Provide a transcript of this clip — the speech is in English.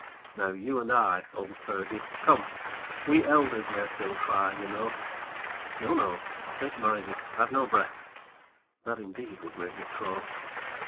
Now you and I, old Fergie, come, We elders may still try, you know, No, no ! take Mysie, I've no breath, That indeed would make me crow